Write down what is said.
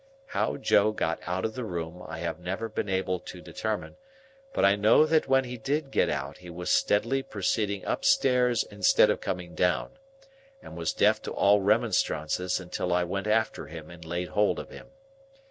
How Joe got out of the room, I have never been able to determine; but I know that when he did get out he was steadily proceeding upstairs instead of coming down, and was deaf to all remonstrances until I went after him and laid hold of him.